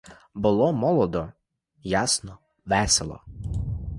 Було молодо, ясно, весело.